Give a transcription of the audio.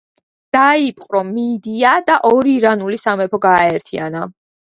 დაიპყრო მიდია და ორი ირანული სამეფო გააერთიანა.